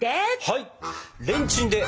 はい！